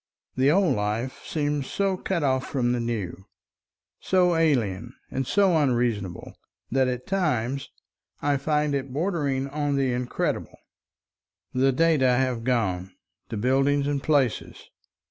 The old life seems so cut off from the new, so alien and so unreasonable, that at times I find it bordering upon the incredible. The data have gone, the buildings and places.